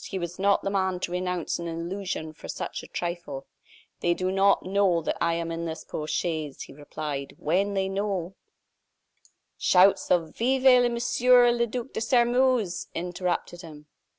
He was not the man to renounce an illusion for such a trifle. "They do not know that I am in this post chaise," he replied. "When they know " Shouts of "Vive Monsieur le Duc de Sairmeuse!" interrupted him.